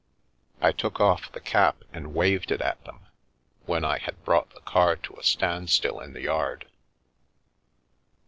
I took off the cap and waved it at them, when I had brought the car to a stand still in the yard.